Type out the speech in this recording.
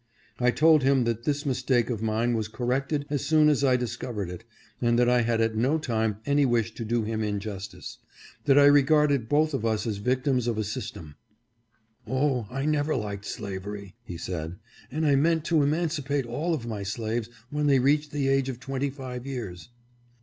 I told him that this mistake of mine was corrected as soon as I discovered it, and that I had at no time any wish to do him injustice ; that I regarded both of us as vic tims of a system. " Oh, I never liked slavery," he said, " and I meant to emancipate all of my slaves when they reached the age of twenty five years."